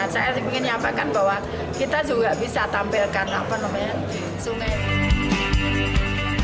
saya ingin menyampaikan bahwa kita juga bisa tampilkan sungai